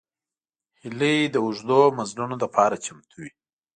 هیلۍ د اوږدو مزلونو لپاره چمتو وي